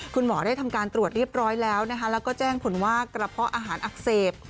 คุณหมอได้ทำการตรวจเรียบร้อยแล้วนะคะแล้วก็แจ้งผลว่ากระเพาะอาหารอักเสบ